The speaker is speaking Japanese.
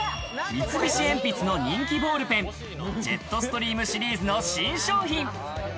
三菱鉛筆の人気ボールペン、ジェットストリームシリーズの新商品。